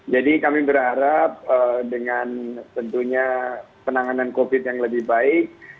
jadi kami berharap dengan tentunya penanganan covid yang lebih baik